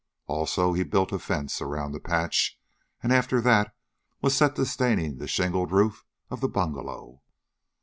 Also he built a fence around the patch, and after that was set to staining the shingled roof of the bungalow.